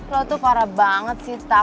lo tuh parah banget sih staf